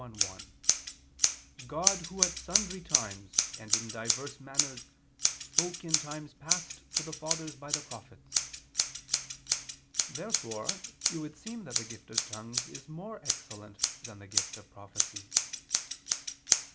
1:1, "God Who at sundry times and in divers manners spoke in times past to the fathers by the prophets." Therefore it would seem that the gift of tongues is more excellent than the gift of prophecy.